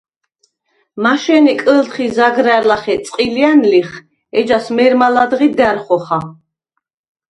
მაშე̄ნე კჷლთხი ზაგრა̈რ ლახე წყჷლჲა̈ნ ლიხ, ეჯას მე̄რმა ლა̈დღი და̈რ ხოხა.